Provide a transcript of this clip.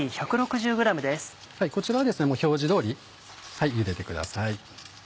こちらは表示通りゆでてください。